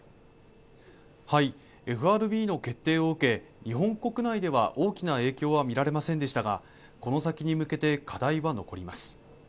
ＦＲＢの決定を受け日本国内では大きな影響は見られませんでしたがこの先に向けて課題は残ります